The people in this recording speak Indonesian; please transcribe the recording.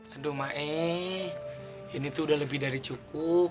aduh mae ini tuh udah lebih dari cukup